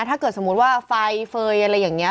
ถ้าเกิดสมมุติว่าไฟเฟย์อะไรอย่างนี้